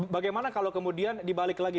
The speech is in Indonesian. bagaimana kalau kemudian dibalik lagi